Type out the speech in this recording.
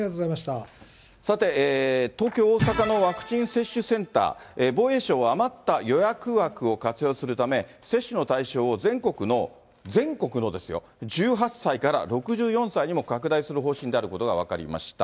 さて、東京、大阪のワクチン接種センター、防衛省は余った予約枠を活用するため、接種の対象を全国の、全国のですよ、１８歳から６４歳にも拡大する方針であることが分かりました。